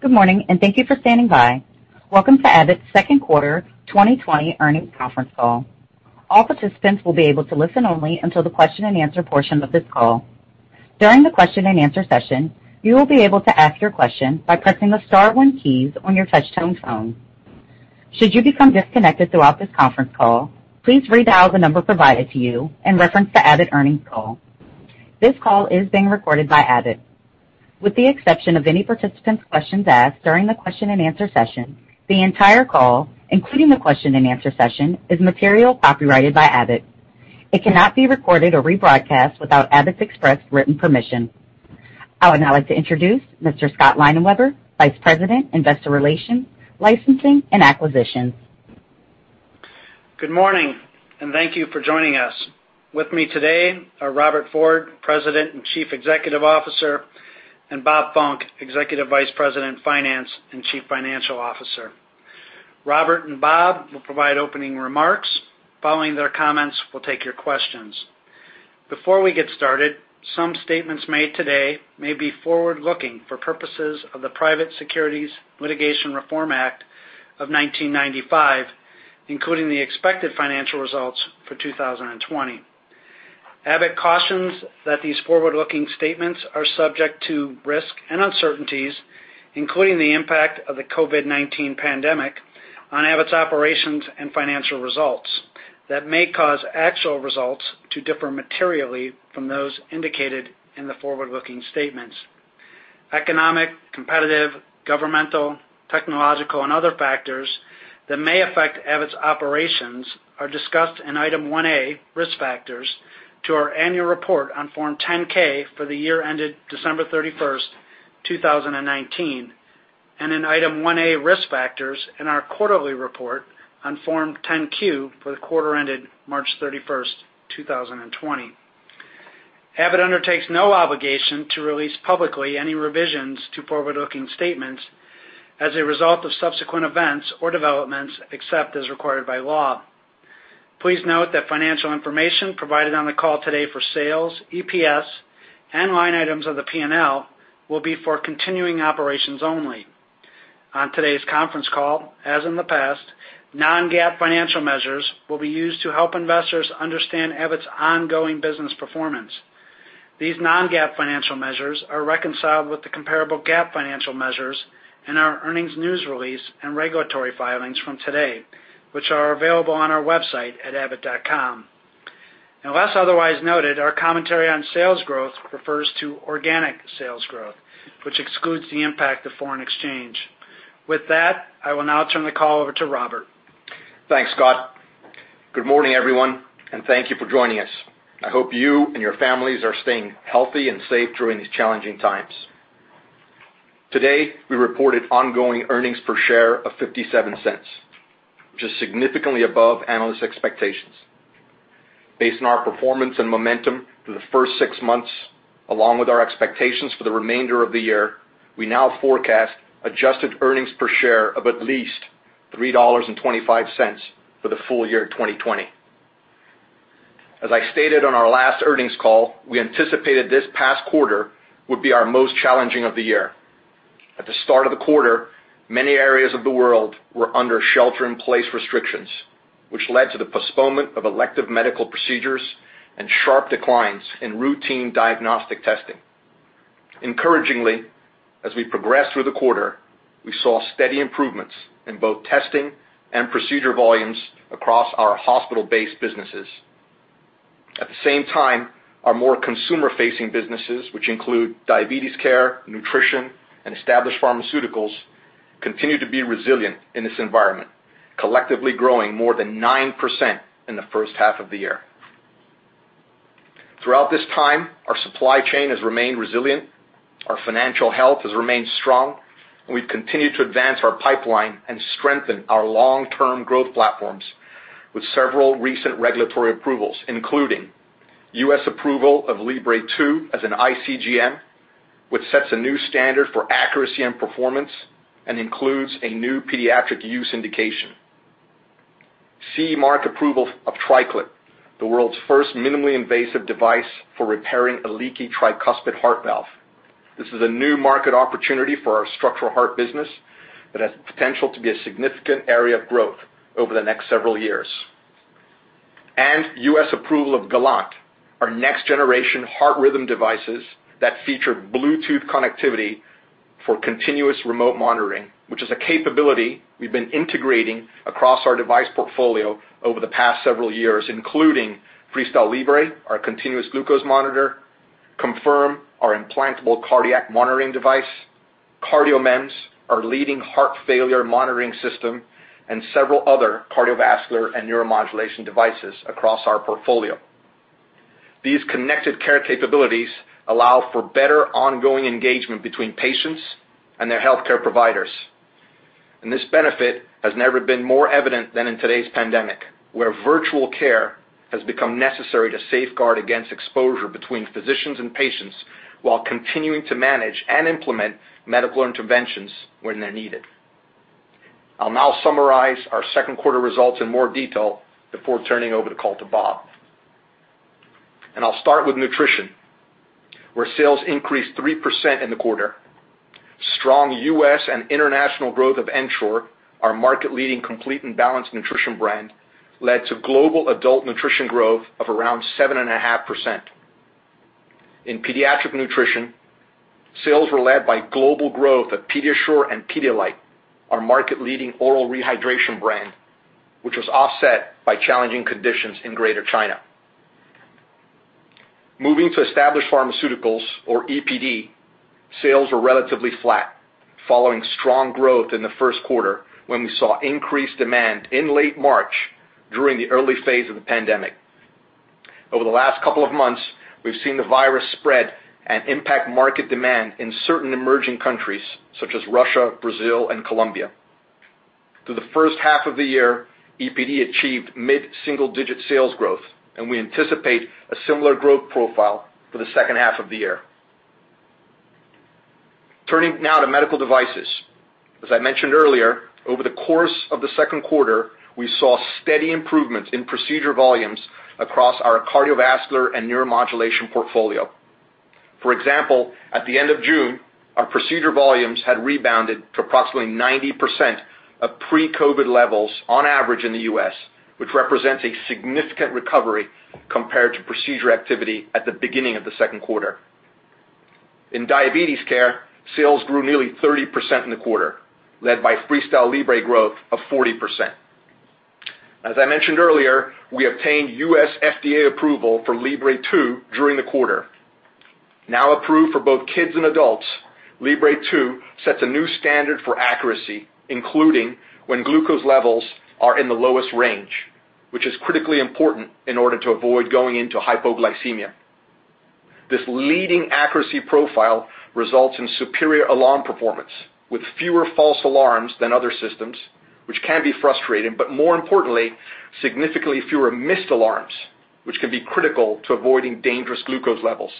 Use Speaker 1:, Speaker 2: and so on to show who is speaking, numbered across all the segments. Speaker 1: Good morning. Thank you for standing by. Welcome to Abbott's second quarter 2020 earnings conference call. All participants will be able to listen only until the question and answer portion of this call. During the question and answer session, you will be able to ask your question by pressing the star one keys on your touchtone phone. Should you become disconnected throughout this conference call, please redial the number provided to you and reference the Abbott earnings call. This call is being recorded by Abbott. With the exception of any participant's questions asked during the question and answer session, the entire call, including the question and answer session, is material copyrighted by Abbott. It cannot be recorded or rebroadcast without Abbott's express written permission. I would now like to introduce Mr. Scott Leinenweber, Vice President, Investor Relations, Licensing and Acquisitions.
Speaker 2: Good morning, and thank you for joining us. With me today are Robert Ford, President and Chief Executive Officer, and Bob Funck, Executive Vice President, Finance, and Chief Financial Officer. Robert and Bob will provide opening remarks. Following their comments, we'll take your questions. Before we get started, some statements made today may be forward-looking for purposes of the Private Securities Litigation Reform Act of 1995, including the expected financial results for 2020. Abbott cautions that these forward-looking statements are subject to risk and uncertainties, including the impact of the COVID-19 pandemic on Abbott's operations and financial results that may cause actual results to differ materially from those indicated in the forward-looking statements. Economic, competitive, governmental, technological, and other factors that may affect Abbott's operations are discussed in Item 1A, Risk Factors, to our annual report on Form 10-K for the year ended December 31, 2019, and in Item 1A, Risk Factors, in our quarterly report on Form 10-Q for the quarter ended March 31, 2020. Abbott undertakes no obligation to release publicly any revisions to forward-looking statements as a result of subsequent events or developments, except as required by law. Please note that financial information provided on the call today for sales, EPS, and line items of the P&L will be for continuing operations only. On today's conference call, as in the past, non-GAAP financial measures will be used to help investors understand Abbott's ongoing business performance. These non-GAAP financial measures are reconciled with the comparable GAAP financial measures in our earnings news release and regulatory filings from today, which are available on our website at abbott.com. Unless otherwise noted, our commentary on sales growth refers to organic sales growth, which excludes the impact of foreign exchange. With that, I will now turn the call over to Robert.
Speaker 3: Thanks, Scott. Good morning, everyone, and thank you for joining us. I hope you and your families are staying healthy and safe during these challenging times. Today, we reported ongoing earnings per share of $0.57, which is significantly above analyst expectations. Based on our performance and momentum through the first six months, along with our expectations for the remainder of the year, we now forecast adjusted earnings per share of at least $3.25 for the full year 2020. As I stated on our last earnings call, I anticipated this past quarter would be our most challenging of the year. At the start of the quarter, many areas of the world were under shelter-in-place restrictions, which led to the postponement of elective medical procedures and sharp declines in routine diagnostic testing. Encouragingly, as we progressed through the quarter, we saw steady improvements in both testing and procedure volumes across our hospital-based businesses. At the same time, our more consumer-facing businesses, which include diabetes care, nutrition, and established pharmaceuticals, continue to be resilient in this environment, collectively growing more than 9% in the first half of the year. Throughout this time, our supply chain has remained resilient, our financial health has remained strong, and we've continued to advance our pipeline and strengthen our long-term growth platforms with several recent regulatory approvals, including U.S. approval of Libre 2 as an iCGM, which sets a new standard for accuracy and performance and includes a new pediatric use indication. CE mark approval of TriClip, the world's first minimally invasive device for repairing a leaky tricuspid heart valve. This is a new market opportunity for our structural heart business that has potential to be a significant area of growth over the next several years. U.S. approval of Gallant, our next-generation heart rhythm devices that feature Bluetooth connectivity for continuous remote monitoring, which is a capability we've been integrating across our device portfolio over the past several years, including FreeStyle Libre, our continuous glucose monitor, Confirm, our implantable cardiac monitoring device, CardioMEMS, our leading heart failure monitoring system, and several other cardiovascular and neuromodulation devices across our portfolio. These connected care capabilities allow for better ongoing engagement between patients and their healthcare providers. This benefit has never been more evident than in today's pandemic, where virtual care has become necessary to safeguard against exposure between physicians and patients while continuing to manage and implement medical interventions when they're needed. I'll now summarize our second quarter results in more detail before turning over the call to Bob. I'll start with nutrition, where sales increased 3% in the quarter. Strong U.S. and international growth of Ensure, our market-leading complete and balanced nutrition brand, led to global adult nutrition growth of around 7.5%. In pediatric nutrition, sales were led by global growth of PediaSure and Pedialyte, our market-leading oral rehydration brand, which was offset by challenging conditions in Greater China. Moving to established pharmaceuticals or EPD, sales were relatively flat following strong growth in the first quarter when we saw increased demand in late March during the early phase of the pandemic. Over the last couple of months, we've seen the virus spread and impact market demand in certain emerging countries such as Russia, Brazil, and Colombia. Through the first half of the year, EPD achieved mid-single-digit sales growth, and we anticipate a similar growth profile for the second half of the year. Turning now to medical devices. As I mentioned earlier, over the course of the second quarter, we saw steady improvements in procedure volumes across our cardiovascular and neuromodulation portfolio. For example, at the end of June, our procedure volumes had rebounded to approximately 90% of pre-COVID levels on average in the U.S., which represents a significant recovery compared to procedure activity at the beginning of the second quarter. In diabetes care, sales grew nearly 30% in the quarter, led by FreeStyle Libre growth of 40%. As I mentioned earlier, we obtained U.S. FDA approval for Libre 2 during the quarter. Now approved for both kids and adults, FreeStyle Libre 2 sets a new standard for accuracy, including when glucose levels are in the lowest range, which is critically important in order to avoid going into hypoglycemia. This leading accuracy profile results in superior alarm performance with fewer false alarms than other systems, which can be frustrating, but more importantly, significantly fewer missed alarms, which can be critical to avoiding dangerous glucose levels.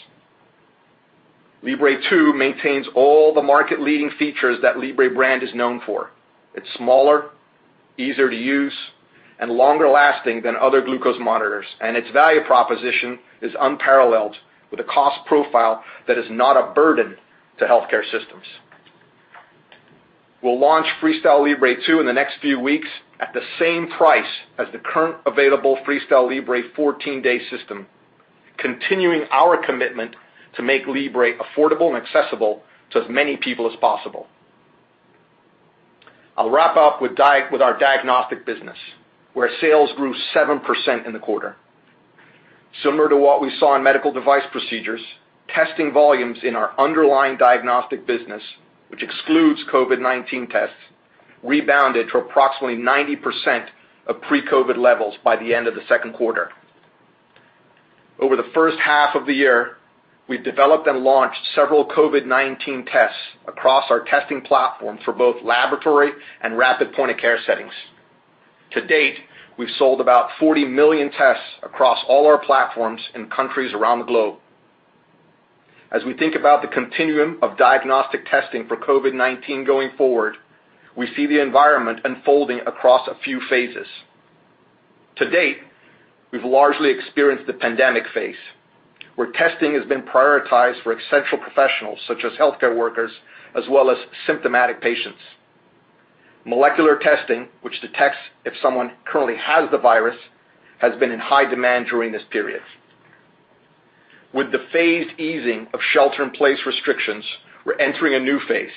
Speaker 3: FreeStyle Libre 2 maintains all the market-leading features that FreeStyle Libre brand is known for. Its smaller, easier to use, and longer lasting than other glucose monitors, and its value proposition is unparalleled with a cost profile that is not a burden to healthcare systems. We'll launch FreeStyle Libre 2 in the next few weeks at the same price as the current available FreeStyle Libre 14 day system, continuing our commitment to make Libre affordable and accessible to as many people as possible. I'll wrap up with our diagnostic business, where sales grew 7% in the quarter. Similar to what we saw in medical device procedures, testing volumes in our underlying diagnostic business, which excludes COVID-19 tests, rebounded to approximately 90% of pre-COVID levels by the end of the second quarter. Over the first half of the year, we've developed and launched several COVID-19 tests across our testing platform for both laboratory and rapid point-of-care settings. To date, we've sold about 40 million tests across all our platforms in countries around the globe. As we think about the continuum of diagnostic testing for COVID-19 going forward, we see the environment unfolding across a few phases. To date, we've largely experienced the pandemic phase, where testing has been prioritized for essential professionals such as healthcare workers, as well as symptomatic patients. Molecular testing, which detects if someone currently has the virus, has been in high demand during this period. With the phased easing of shelter in place restrictions, we're entering a new phase,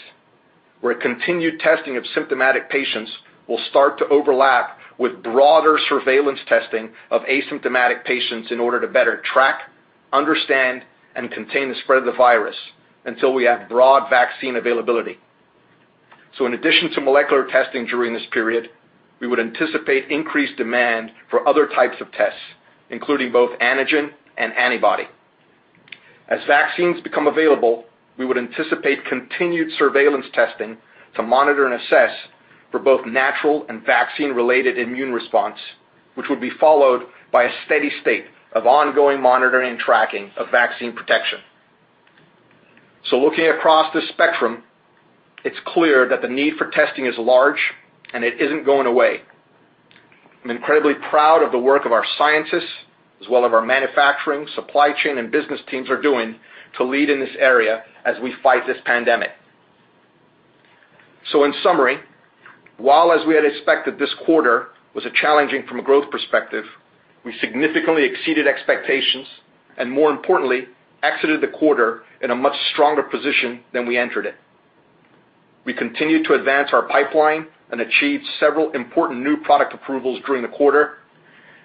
Speaker 3: where continued testing of symptomatic patients will start to overlap with broader surveillance testing of asymptomatic patients in order to better track, understand, and contain the spread of the virus until we have broad vaccine availability. In addition to molecular testing during this period, we would anticipate increased demand for other types of tests, including both antigen and antibody. As vaccines become available, we would anticipate continued surveillance testing to monitor and assess for both natural and vaccine-related immune response, which would be followed by a steady state of ongoing monitoring and tracking of vaccine protection. Looking across this spectrum, it's clear that the need for testing is large, and it isn't going away. I'm incredibly proud of the work of our scientists, as well as our manufacturing, supply chain, and business teams are doing to lead in this area as we fight this pandemic. In summary, while as we had expected this quarter was challenging from a growth perspective, we significantly exceeded expectations and, more importantly, exited the quarter in a much stronger position than we entered it. We continued to advance our pipeline and achieved several important new product approvals during the quarter,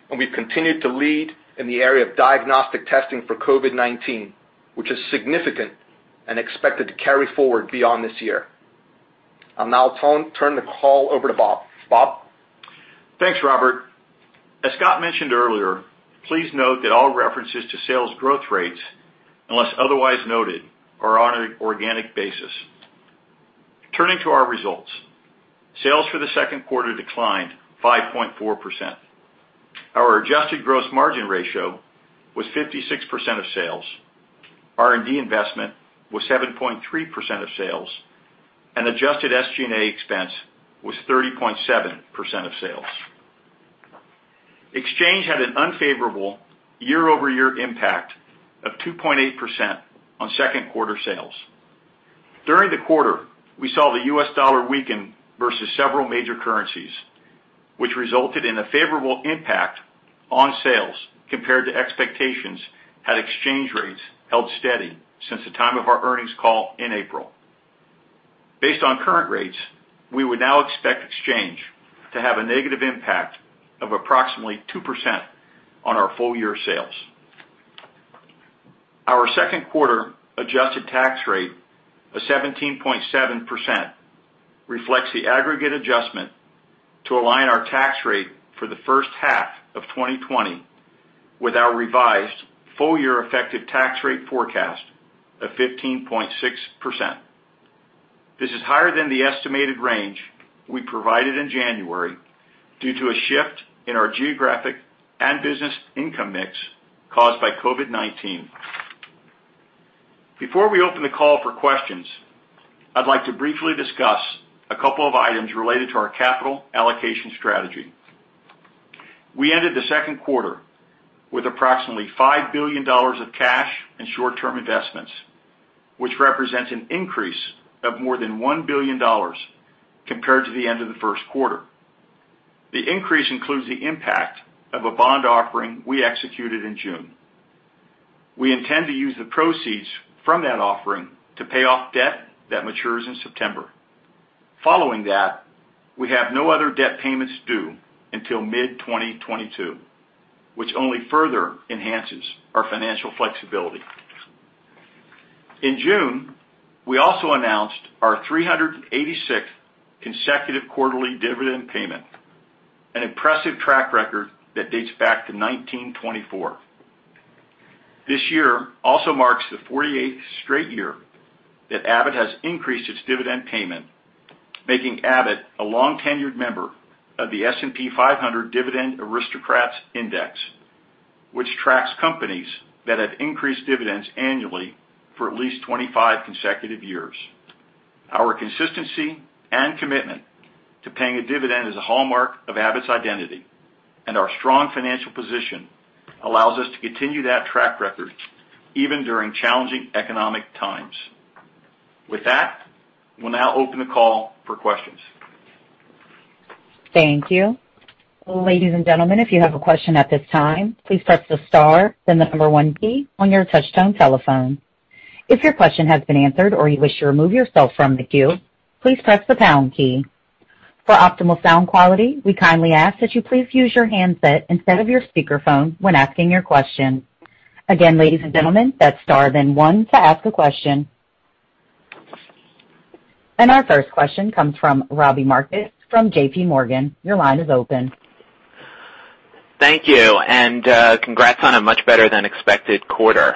Speaker 3: and we've continued to lead in the area of diagnostic testing for COVID-19, which is significant and expected to carry forward beyond this year. I'll now turn the call over to Bob. Bob?
Speaker 4: Thanks, Robert. As Scott mentioned earlier, please note that all references to sales growth rates, unless otherwise noted, are on an organic basis. Turning to our results. Sales for the second quarter declined 5.4%. Our adjusted gross margin ratio was 56% of sales. R&D investment was 7.3% of sales, and adjusted SG&A expense was 30.7% of sales. Exchange had an unfavorable year-over-year impact of 2.8% on second quarter sales. During the quarter, we saw the U.S. dollar weaken versus several major currencies, which resulted in a favorable impact on sales compared to expectations had exchange rates held steady since the time of our earnings call in April. Based on current rates, we would now expect exchange to have a negative impact of approximately 2% on our full-year sales. Our second quarter adjusted tax rate of 17.7% reflects the aggregate adjustment to align our tax rate for the first half of 2020 with our revised full-year effective tax rate forecast of 15.6%. This is higher than the estimated range we provided in January due to a shift in our geographic and business income mix caused by COVID-19. Before we open the call for questions, I'd like to briefly discuss a couple of items related to our capital allocation strategy. We ended the second quarter with approximately $5 billion of cash and short-term investments, which represents an increase of more than $1 billion compared to the end of the first quarter. The increase includes the impact of a bond offering we executed in June. We intend to use the proceeds from that offering to pay off debt that matures in September. Following that, we have no other debt payments due until mid-2022, which only further enhances our financial flexibility. In June, we also announced our 386th consecutive quarterly dividend payment, an impressive track record that dates back to 1924. This year also marks the 48th straight year that Abbott has increased its dividend payment, making Abbott a long-tenured member of the S&P 500 Dividend Aristocrats Index, which tracks companies that have increased dividends annually for at least 25 consecutive years. Our consistency and commitment to paying a dividend is a hallmark of Abbott's identity, and our strong financial position allows us to continue that track record even during challenging economic times. With that, we'll now open the call for questions.
Speaker 1: Thank you. Ladies and gentlemen, if you have a question at this time, please press the star, then the number one key on your touchtone telephone. If your question has been answered or you wish to remove yourself from the queue, please press the pound key. For optimal sound quality, we kindly ask that you please use your handset instead of your speakerphone when asking your question. Again, ladies and gentlemen, that's star, then one to ask a question. Our first question comes from Robbie Marcus from J.P. Morgan. Your line is open.
Speaker 5: Thank you. Congrats on a much better than expected quarter.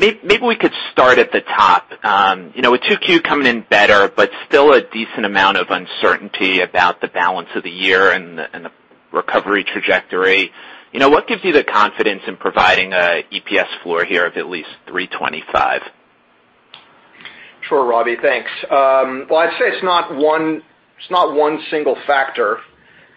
Speaker 5: Maybe we could start at the top. With 2Q coming in better, but still a decent amount of uncertainty about the balance of the year and the recovery trajectory, what gives you the confidence in providing a EPS floor here of at least $3.25?
Speaker 3: Sure, Robbie. Thanks. I'd say it's not one single factor.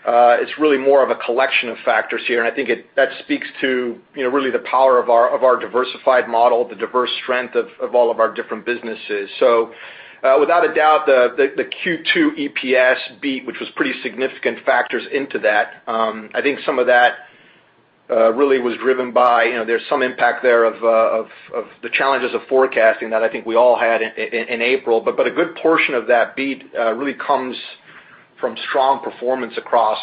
Speaker 3: It's really more of a collection of factors here. I think that speaks to really the power of our diversified model, the diverse strength of all of our different businesses. Without a doubt, the Q2 EPS beat, which was pretty significant factors into that. I think some of that really was driven by There's some impact there of the challenges of forecasting that I think we all had in April. A good portion of that beat really comes from strong performance across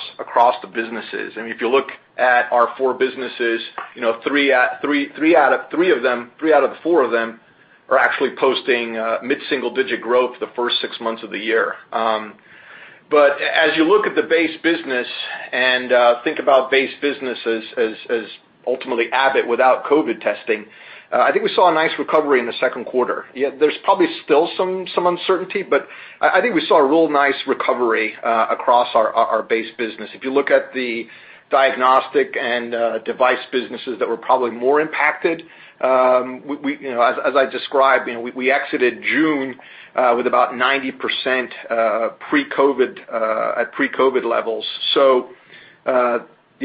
Speaker 3: the businesses. If you look at our four businesses, three out of four of them are actually posting mid-single digit growth the first six months of the year.
Speaker 4: As you look at the base business and think about base business as ultimately Abbott without COVID testing, I think we saw a nice recovery in the second quarter. There's probably still some uncertainty, but I think we saw a real nice recovery across our base business. If you look at the diagnostic and device businesses that were probably more impacted, as I described, we exited June with about 90% at pre-COVID levels.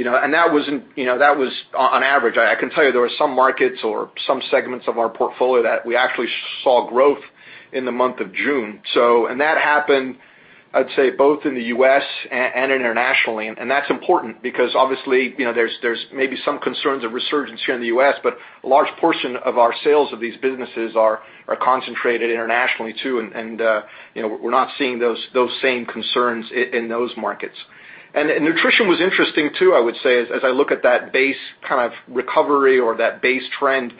Speaker 4: That was on average. I can tell you there were some markets or some segments of our portfolio that we actually saw growth in the month of June. That happened, I'd say, both in the U.S. and internationally. That's important because obviously, there's maybe some concerns of resurgence here in the U.S., but a large portion of our sales of these businesses are concentrated internationally, too, and we're not seeing those same concerns in those markets. Nutrition was interesting, too, I would say, as I look at that base kind of recovery or that base trend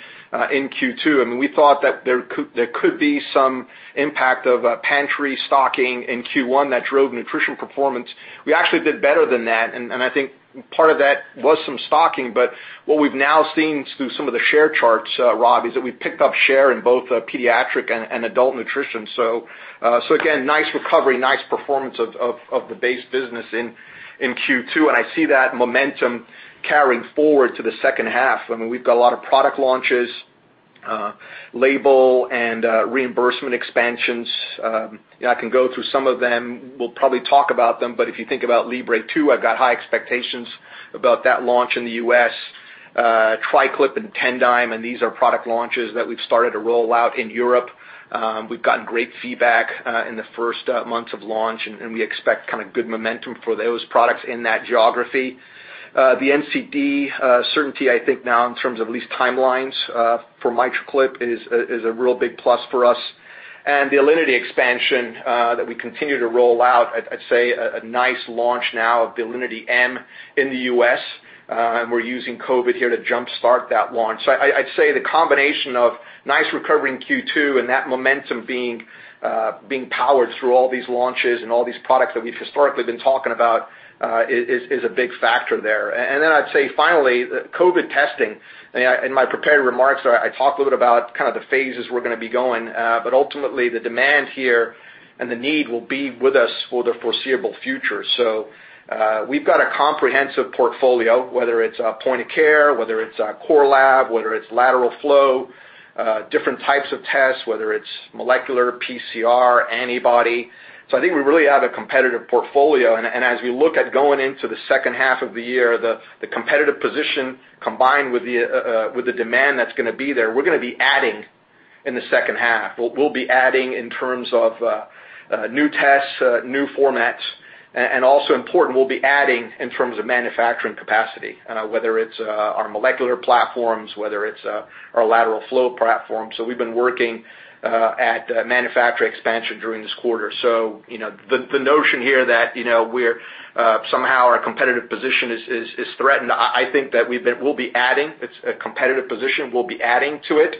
Speaker 4: in Q2. We thought that there could be some impact of pantry stocking in Q1 that drove nutrition performance. We actually did better than that, and I think part of that was some stocking. What we've now seen through some of the share charts, Robbie, is that we picked up share in both pediatric and adult nutrition. Again, nice recovery, nice performance of the base business in Q2. I see that momentum carrying forward to the second half. We've got a lot of product launches
Speaker 3: label and reimbursement expansions. I can go through some of them. We'll probably talk about them, but if you think about Libre 2, I've got high expectations about that launch in the U.S. TriClip and Tendyne, and these are product launches that we've started to roll out in Europe. We've gotten great feedback in the first months of launch, and we expect good momentum for those products in that geography. The NCD certainty, I think now, in terms of at least timelines for MitraClip is a real big plus for us. The Alinity expansion that we continue to roll out, I'd say a nice launch now of the Alinity m in the U.S., and we're using COVID here to jumpstart that launch. I'd say the combination of nice recovery in Q2 and that momentum being powered through all these launches and all these products that we've historically been talking about, is a big factor there. Then I'd say finally, the COVID-19 testing. In my prepared remarks, I talked a little bit about the phases we're going to be going, but ultimately the demand here and the need will be with us for the foreseeable future. We've got a comprehensive portfolio, whether it's point-of-care, whether it's core lab, whether it's lateral flow, different types of tests, whether it's molecular, PCR, antibody. I think we really have a competitive portfolio. As we look at going into the second half of the year, the competitive position combined with the demand that's going to be there, we're going to be adding in the second half. We'll be adding in terms of new tests, new formats, and also important, we'll be adding in terms of manufacturing capacity, whether it's our molecular platforms, whether it's our lateral flow platform. We've been working at manufacture expansion during this quarter. The notion here that somehow our competitive position is threatened, I think that we'll be adding, it's a competitive position, we'll be adding to it.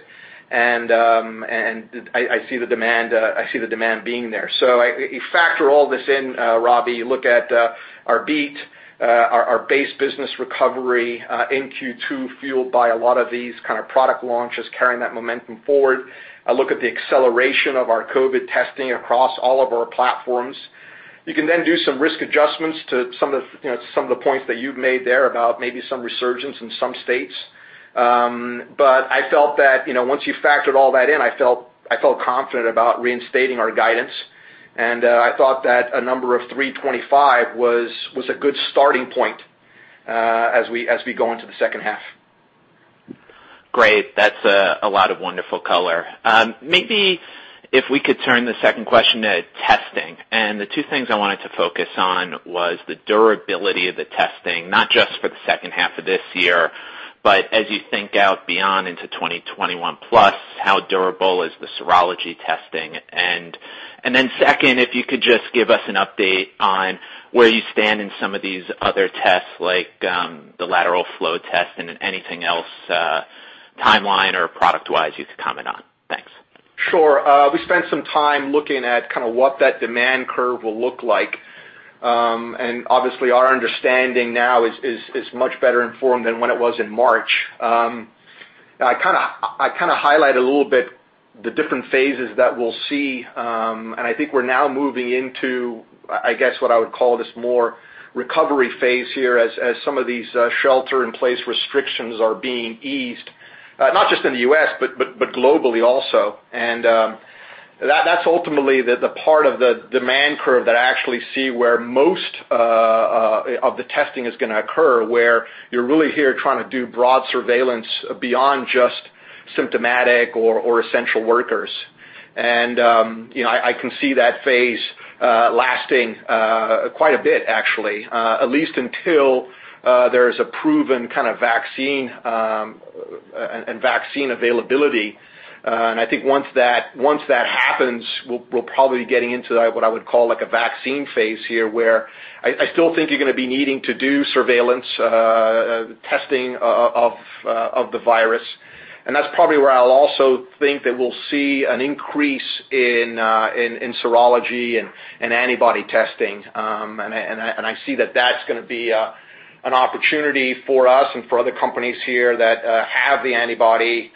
Speaker 3: I see the demand being there. You factor all this in, Robbie, you look at our EBIT, our base business recovery in Q2 fueled by a lot of these product launches carrying that momentum forward. I look at the acceleration of our COVID testing across all of our platforms. You can do some risk adjustments to some of the points that you've made there about maybe some resurgence in some states. I felt that, once you factored all that in, I felt confident about reinstating our guidance. I thought that a number of $3.25 was a good starting point as we go into the second half.
Speaker 5: Great. That's a lot of wonderful color. Maybe if we could turn the second question to testing. The two things I wanted to focus on was the durability of the testing, not just for the second half of this year, but as you think out beyond into 2021 plus, how durable is the serology testing? Second, if you could just give us an update on where you stand in some of these other tests, like, the lateral flow test and anything else, timeline or product-wise you could comment on. Thanks.
Speaker 3: Sure. We spent some time looking at what that demand curve will look like. Obviously our understanding now is much better informed than when it was in March. I highlighted a little bit the different phases that we'll see, and I think we're now moving into, I guess what I would call this more recovery phase here as some of these shelter-in-place restrictions are being eased, not just in the U.S., but globally also. That's ultimately the part of the demand curve that I actually see where most of the testing is going to occur, where you're really here trying to do broad surveillance beyond just symptomatic or essential workers. I can see that phase lasting quite a bit actually, at least until there's a proven kind of vaccine and vaccine availability. I think once that happens, we'll probably be getting into what I would call like a vaccine phase here, where I still think you're going to be needing to do surveillance testing of the virus. That's probably where I'll also think that we'll see an increase in serology and antibody testing. I see that that's going to be an opportunity for us and for other companies here that have the antibody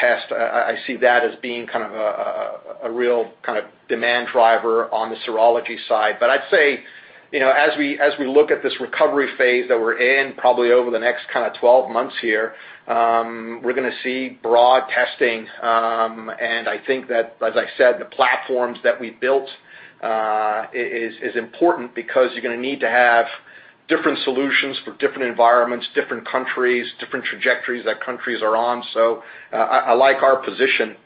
Speaker 3: test. I see that as being a real demand driver on the serology side. I'd say, as we look at this recovery phase that we're in, probably over the next 12 months here, we're going to see broad testing. I think that, as I said, the platforms that we built is important because you're going to need to have different solutions for different environments, different countries, different trajectories that countries are on. I like our position.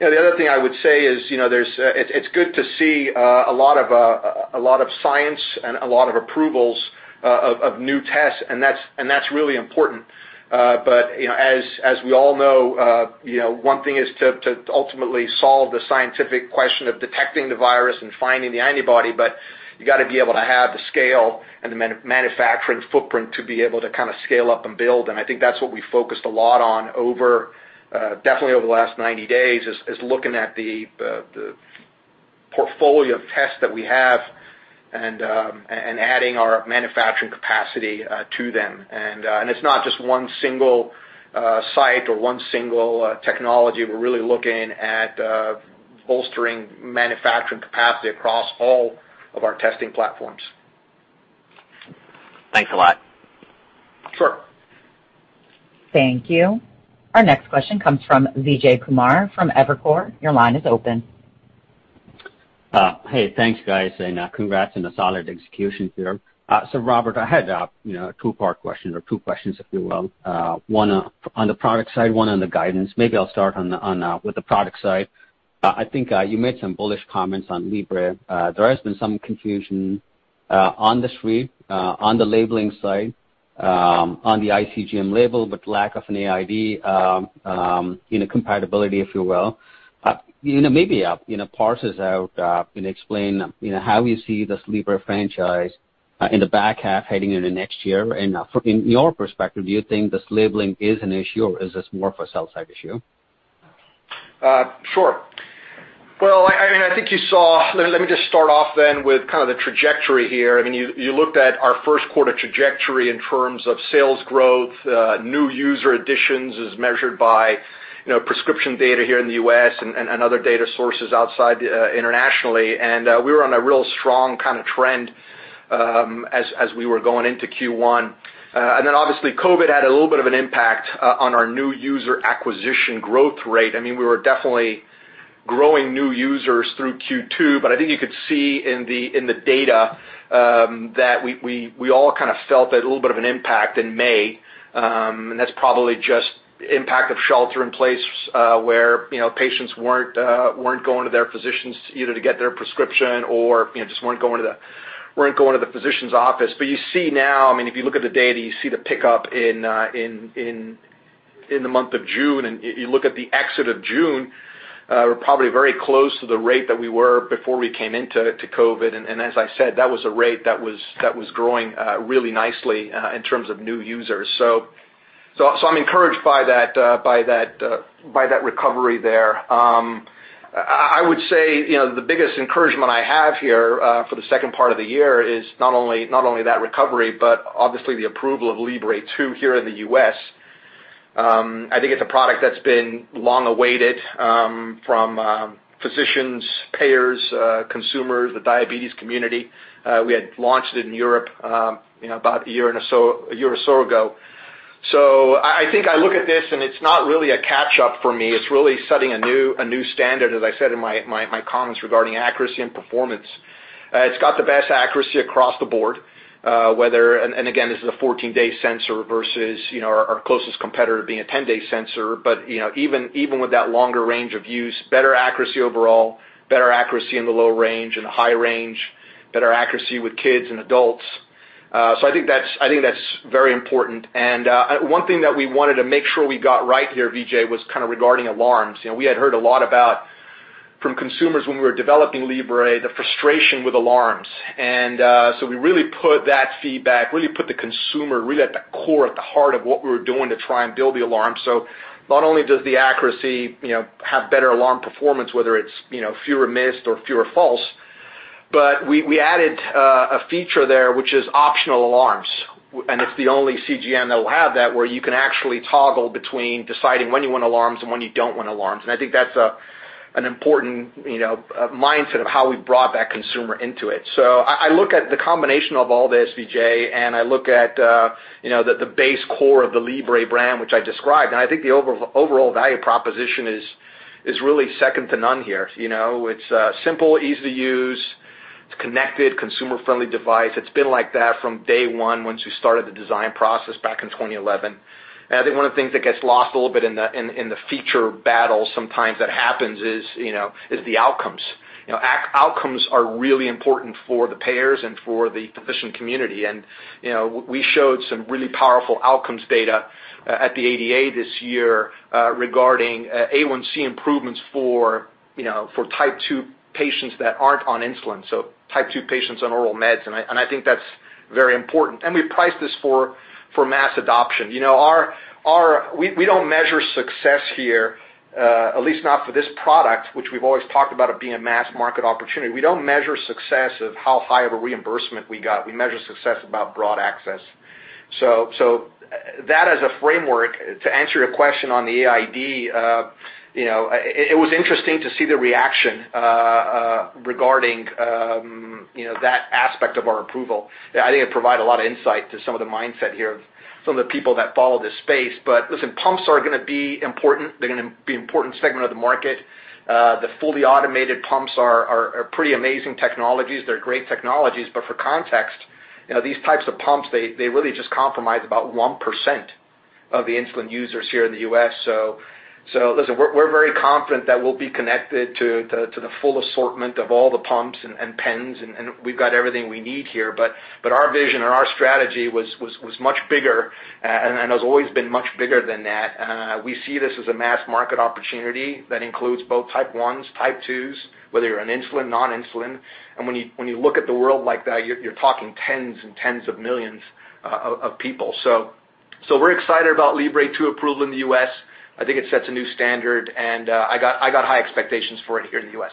Speaker 3: The other thing I would say is, it's good to see a lot of science and a lot of approvals of new tests. That's really important. As we all know, one thing is to ultimately solve the scientific question of detecting the virus and finding the antibody, but you got to be able to have the scale and the manufacturing footprint to be able to scale up and build. I think that's what we focused a lot on definitely over the last 90 days, is looking at the portfolio of tests that we have and adding our manufacturing capacity to them. It's not just one single site or one single technology. We're really looking at bolstering manufacturing capacity across all of our testing platforms.
Speaker 5: Thanks a lot.
Speaker 3: Sure.
Speaker 1: Thank you. Our next question comes from Vijay Kumar from Evercore. Your line is open.
Speaker 6: Hey, thanks, guys, and congrats on the solid execution here. Robert, I had a 2-part question or 2 questions, if you will. One on the product side, one on the guidance. Maybe I'll start with the product side. I think you made some bullish comments on Libre. There has been some confusion on the street, on the labeling side, on the iCGM label, but lack of an AID compatibility, if you will. Maybe parse this out and explain how you see this Libre franchise in the back half heading into next year. From your perspective, do you think this labeling is an issue, or is this more of a sell side issue?
Speaker 3: Sure. Let me just start off with kind of the trajectory here. You looked at our first quarter trajectory in terms of sales growth, new user additions as measured by prescription data here in the U.S. and other data sources outside internationally. We were on a real strong kind of trend as we were going into Q1. Obviously, COVID had a little bit of an impact on our new user acquisition growth rate. We were definitely growing new users through Q2, but I think you could see in the data that we all kind of felt that a little bit of an impact in May, and that's probably just impact of shelter in place, where patients weren't going to their physicians either to get their prescription or just weren't going to the physician's office. You see now, if you look at the data, you see the pickup in the month of June, and you look at the exit of June, we're probably very close to the rate that we were before we came into COVID-19. As I said, that was a rate that was growing really nicely in terms of new users. I'm encouraged by that recovery there. I would say the biggest encouragement I have here for the second part of the year is not only that recovery, but obviously the approval of Libre 2 here in the U.S. I think it's a product that's been long awaited from physicians, payers, consumers, the diabetes community. We had launched it in Europe about a year or so ago. I think I look at this and it's not really a catch-up for me. It's really setting a new standard, as I said in my comments regarding accuracy and performance. It's got the best accuracy across the board. Again, this is a 14-day sensor versus our closest competitor being a 10-day sensor. Even with that longer range of use, better accuracy overall, better accuracy in the low range and the high range, better accuracy with kids and adults. I think that's very important. One thing that we wanted to make sure we got right here, Vijay, was kind of regarding alarms. We had heard a lot about from consumers when we were developing Libre, the frustration with alarms. We really put that feedback, really put the consumer really at the core, at the heart of what we were doing to try and build the alarm. Not only does the accuracy have better alarm performance, whether it's fewer missed or fewer false, but we added a feature there which is optional alarms, and it's the only CGM that will have that, where you can actually toggle between deciding when you want alarms and when you don't want alarms. I think that's an important mindset of how we brought that consumer into it. I look at the combination of all this, Vijay, and I look at the base core of the Libre brand, which I described, and I think the overall value proposition is really second to none here. It's simple, easy to use. It's connected, consumer-friendly device. It's been like that from day one once we started the design process back in 2011. I think one of the things that gets lost a little bit in the feature battle sometimes that happens is the outcomes. Outcomes are really important for the payers and for the physician community. We showed some really powerful outcomes data at the ADA this year regarding A1C improvements for type 2 patients that aren't on insulin, so type 2 patients on oral meds, and I think that's very important. We priced this for mass adoption. We don't measure success here, at least not for this product, which we've always talked about it being a mass market opportunity. We don't measure success of how high of a reimbursement we got. We measure success about broad access. That as a framework to answer your question on the AID, it was interesting to see the reaction regarding that aspect of our approval. I think it provided a lot of insight to some of the mindset here of some of the people that follow this space. Pumps are going to be important. They're going to be an important segment of the market. The fully automated pumps are pretty amazing technologies. They're great technologies. For context, these types of pumps, they really just comprise about 1% of the insulin users here in the U.S. We're very confident that we'll be connected to the full assortment of all the pumps and pens, and we've got everything we need here. Our vision and our strategy was much bigger and has always been much bigger than that. We see this as a mass market opportunity that includes both type 1s, type 2s, whether you're on insulin, non-insulin. When you look at the world like that, you're talking tens and tens of millions of people. We're excited about Libre 2 approval in the U.S. I think it sets a new standard, and I got high expectations for it here in the U.S.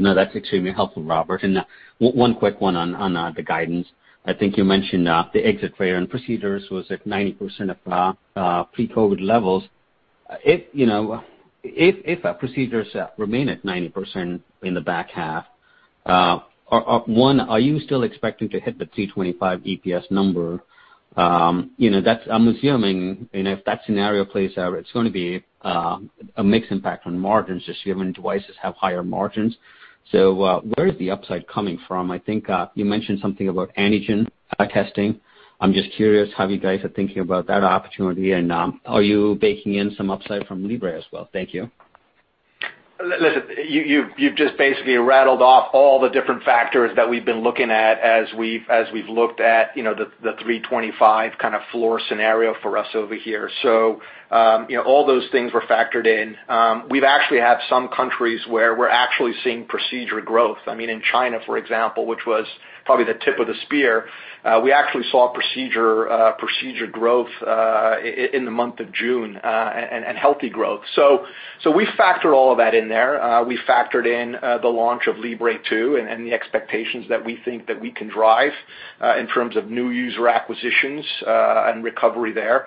Speaker 6: No, that's extremely helpful, Robert. One quick one on the guidance. I think you mentioned the exit for your own procedures was at 90% of pre-COVID levels. If procedures remain at 90% in the back half, one, are you still expecting to hit the $3.25 EPS number? I'm assuming if that scenario plays out, it's going to be a mixed impact on margins, just given devices have higher margins. Where is the upside coming from? I think you mentioned something about antigen testing. I'm just curious how you guys are thinking about that opportunity, and are you baking in some upside from Libre as well? Thank you.
Speaker 3: Listen, you've just basically rattled off all the different factors that we've been looking at as we've looked at the 325 kind of floor scenario for us over here. All those things were factored in. We've actually had some countries where we're actually seeing procedure growth. In China, for example, which was probably the tip of the spear, we actually saw procedure growth in the month of June, and healthy growth. We factored all of that in there. We factored in the launch of Libre 2 and the expectations that we think that we can drive in terms of new user acquisitions and recovery there.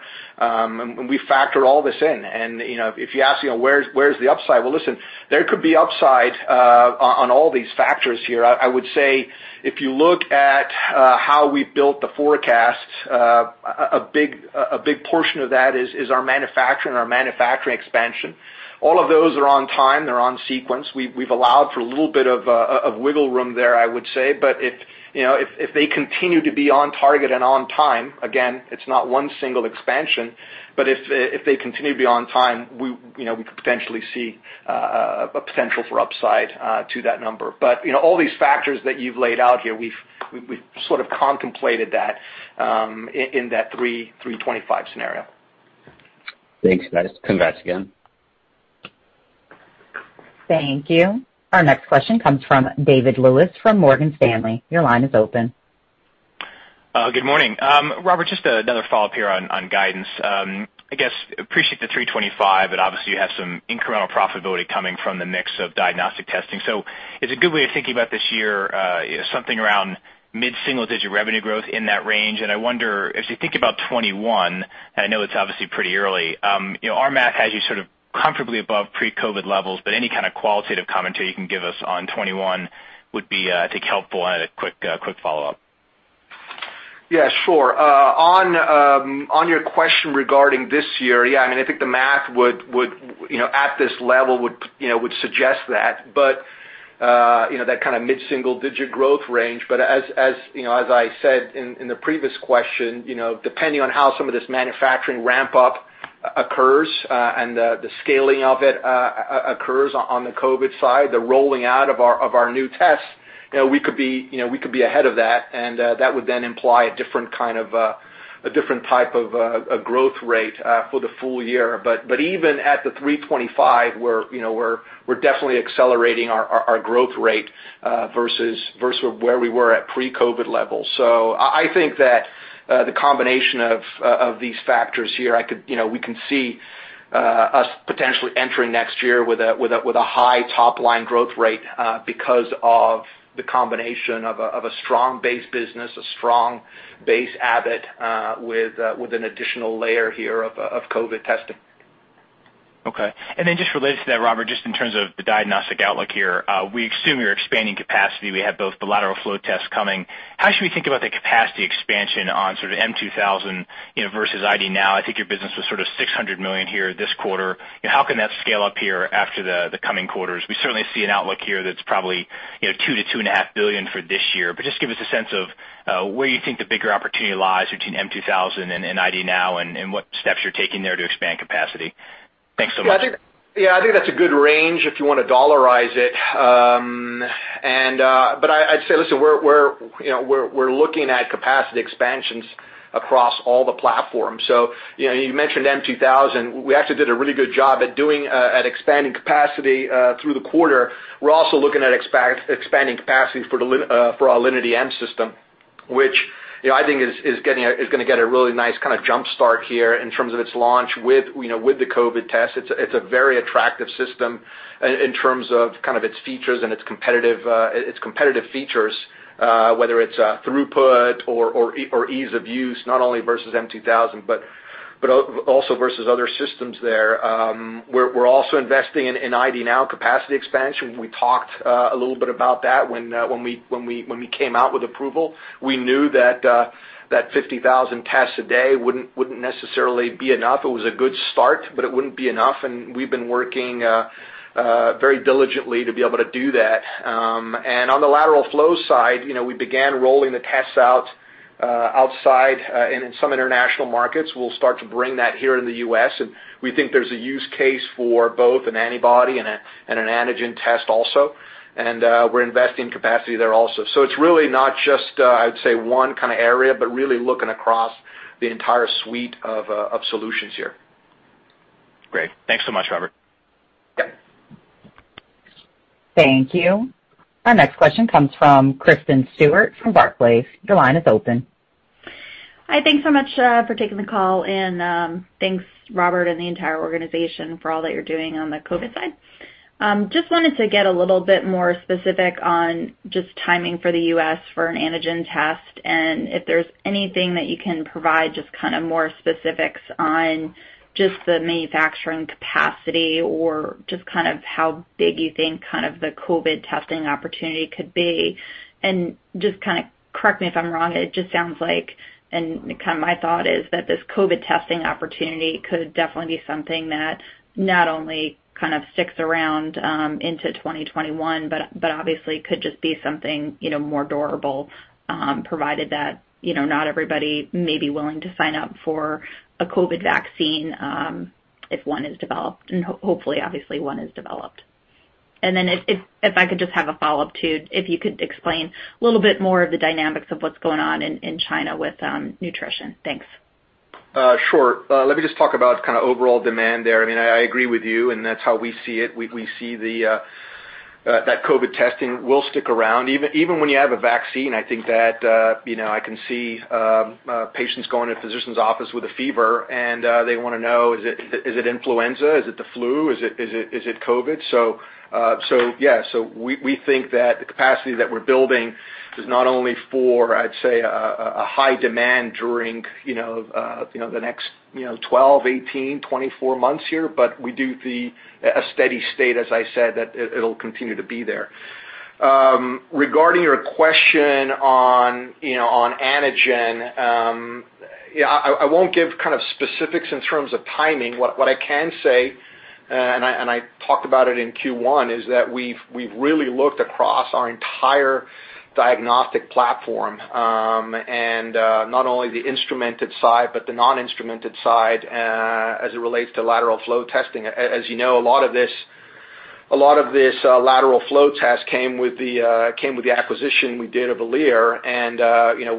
Speaker 3: We factor all this in, if you ask where's the upside? Well, listen, there could be upside on all these factors here. I would say if you look at how we built the forecast, a big portion of that is our manufacturing, our manufacturing expansion. All of those are on time. They're on sequence. We've allowed for a little bit of wiggle room there, I would say. If they continue to be on target and on time, again, it's not one single expansion, but if they continue to be on time, we could potentially see a potential for upside to that number. All these factors that you've laid out here, we've sort of contemplated that in that 325 scenario.
Speaker 6: Thanks, guys. Congrats again.
Speaker 1: Thank you. Our next question comes from David Roman from Morgan Stanley. Your line is open.
Speaker 7: Good morning. Robert, just another follow-up here on guidance. I guess, appreciate the $3.25. Obviously you have some incremental profitability coming from the mix of diagnostic testing. Is a good way of thinking about this year something around mid-single digit revenue growth in that range? I wonder as you think about 2021, I know it's obviously pretty early. Our math has you sort of comfortably above pre-COVID levels, but any kind of qualitative commentary you can give us on 2021 would be, I think, helpful. A quick follow-up.
Speaker 3: Yeah, sure. On your question regarding this year, yeah, I think the math at this level would suggest that. That kind of mid-single digit growth range. As I said in the previous question, depending on how some of this manufacturing ramp up occurs and the scaling of it occurs on the COVID side, the rolling out of our new tests, we could be ahead of that, and that would then imply a different type of growth rate for the full year. Even at the 325, we're definitely accelerating our growth rate versus where we were at pre-COVID levels. I think that the combination of these factors here, we can see us potentially entering next year with a high top-line growth rate because of the combination of a strong base business, a strong base Abbott, with an additional layer here of COVID testing.
Speaker 7: Just related to that, Robert, just in terms of the diagnostic outlook here, we assume you're expanding capacity. We have both the lateral flow tests coming. How should we think about the capacity expansion on sort of m2000 versus ID NOW? I think your business was sort of $600 million here this quarter. How can that scale up here after the coming quarters? We certainly see an outlook here that's probably $2 billion-$2.5 billion for this year. Just give us a sense of where you think the bigger opportunity lies between m2000 and ID NOW and what steps you're taking there to expand capacity. Thanks so much.
Speaker 3: Yeah, I think that's a good range if you want to dollarize it. I'd say, listen, we're looking at capacity expansions across all the platforms. You mentioned m2000. We actually did a really good job at expanding capacity through the quarter. We're also looking at expanding capacity for our Alinity m system, which I think is going to get a really nice kind of jump start here in terms of its launch with the COVID test. It's a very attractive system in terms of its features and its competitive features, whether it's throughput or ease of use, not only versus m2000, but also versus other systems there. We're also investing in ID NOW capacity expansion. We talked a little bit about that when we came out with approval. We knew that 50,000 tests a day wouldn't necessarily be enough. It was a good start, but it wouldn't be enough, and we've been working very diligently to be able to do that. On the lateral flow side, we began rolling the tests out outside and in some international markets. We'll start to bring that here in the U.S., and we think there's a use case for both an antibody and an antigen test also. We're investing capacity there also. It's really not just, I would say, one kind of area, but really looking across the entire suite of solutions here.
Speaker 7: Great. Thanks so much, Robert.
Speaker 3: Yep.
Speaker 1: Thank you. Our next question comes from Kristen Stewart from Barclays. Your line is open.
Speaker 8: Hi, thanks so much for taking the call, thanks Robert and the entire organization for all that you're doing on the COVID side. Just wanted to get a little bit more specific on just timing for the U.S. for an antigen test. If there's anything that you can provide, just more specifics on just the manufacturing capacity or just how big you think the COVID testing opportunity could be. Just correct me if I'm wrong, it just sounds like, and my thought is that this COVID testing opportunity could definitely be something that not only sticks around into 2021, obviously could just be something more durable, provided that not everybody may be willing to sign up for a COVID vaccine if one is developed. Hopefully, obviously, one is developed. If I could just have a follow-up, too, if you could explain a little bit more of the dynamics of what's going on in China with nutrition? Thanks.
Speaker 3: Sure. Let me just talk about kind of overall demand there. I agree with you, and that's how we see it. We see that COVID testing will stick around. Even when you have a vaccine, I think that I can see patients going to a physician's office with a fever, and they want to know, is it influenza? Is it the flu? Is it COVID? Yeah. We think that the capacity that we're building is not only for, I'd say, a high demand during the next 12, 18, 24 months here, but we do a steady state, as I said, that it'll continue to be there. Regarding your question on antigen, I won't give kind of specifics in terms of timing. What I can say, and I talked about it in Q1, is that we've really looked across our entire diagnostic platform. Not only the instrumented side, but the non-instrumented side, as it relates to lateral flow testing. As you know, a lot of this lateral flow test came with the acquisition we did of Alere, and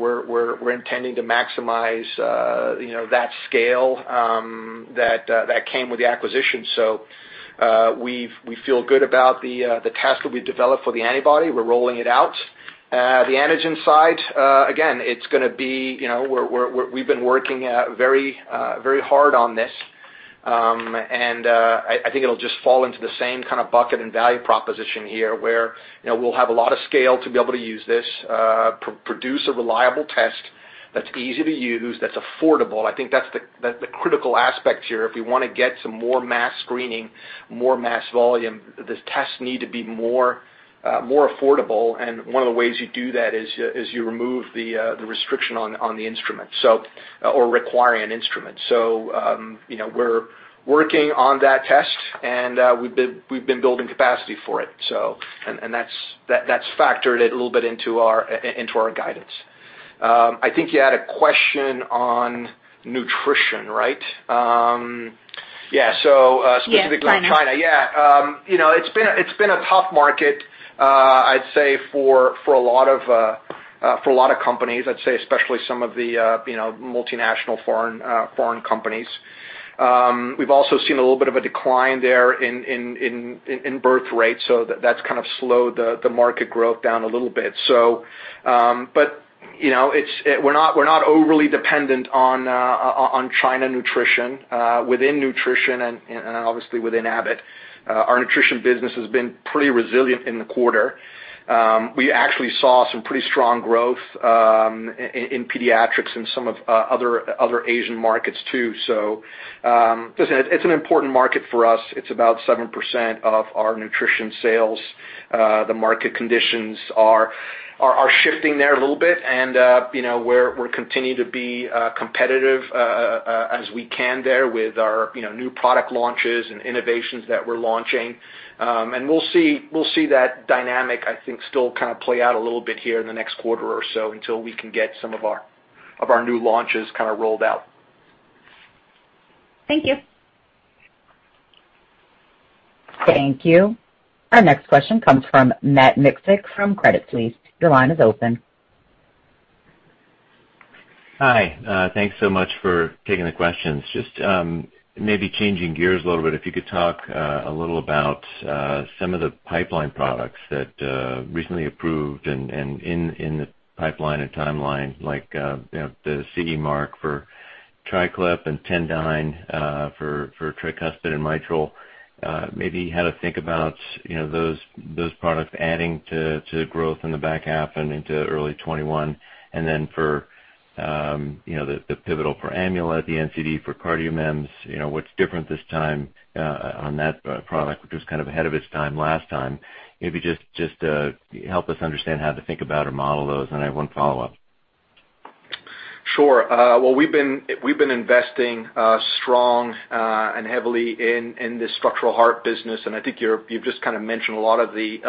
Speaker 3: we're intending to maximize that scale that came with the acquisition. We feel good about the test that we developed for the antibody. We're rolling it out. The antigen side, again, we've been working very hard on this. I think it'll just fall into the same kind of bucket and value proposition here, where we'll have a lot of scale to be able to use this, produce a reliable test that's easy to use, that's affordable. I think that's the critical aspect here. If we want to get some more mass screening, more mass volume, the tests need to be more affordable, and one of the ways you do that is you remove the restriction on the instrument, or require an instrument. We're working on that test, and we've been building capacity for it. That's factored a little bit into our guidance. I think you had a question on nutrition, right?
Speaker 8: Yeah, China.
Speaker 3: on China. Yeah. It's been a tough market, I'd say, for a lot of companies, I'd say especially some of the multinational foreign companies. We've also seen a little bit of a decline there in birth rates, so that's kind of slowed the market growth down a little bit. We're not overly dependent on China nutrition. Within nutrition and obviously within Abbott, our nutrition business has been pretty resilient in the quarter. We actually saw some pretty strong growth in pediatrics in some of other Asian markets, too. Listen, it's an important market for us. It's about 7% of our nutrition sales. The market conditions are shifting there a little bit, and we'll continue to be competitive as we can there with our new product launches and innovations that we're launching. We'll see that dynamic, I think, still kind of play out a little bit here in the next quarter or so until we can get some of our new launches kind of rolled out.
Speaker 8: Thank you.
Speaker 1: Thank you. Our next question comes from Matt Miksic from Credit Suisse. Your line is open.
Speaker 9: Hi. Thanks so much for taking the questions. Just maybe changing gears a little bit, if you could talk a little about some of the pipeline products that recently approved and in the pipeline and timeline, like the CE mark for TriClip and Tendyne for tricuspid and mitral. Maybe how to think about those products adding to growth in the back half and into early 2021. For the pivotal for Amulet, the NCD for CardioMEMS, what's different this time on that product, which was kind of ahead of its time last time? Maybe just help us understand how to think about or model those, and I have one follow-up.
Speaker 3: Sure. We've been investing strong and heavily in the structural heart business, I think you've just kind of mentioned a lot of the